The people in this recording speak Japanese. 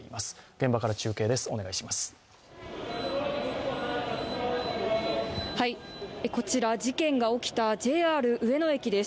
現場から中継です。